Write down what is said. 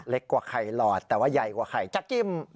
เล็กกว่าไข่หลอดแต่ว่าใหญ่กว่าไข่จั๊กจิ้ม